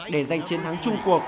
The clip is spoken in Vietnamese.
để giành chiến thắng chung cuộc